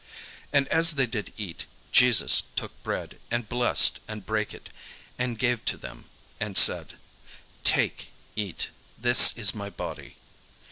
And as they did eat, Jesus took bread, and blessed, and brake it, and gave to them, and said: "Take, eat: this is my body."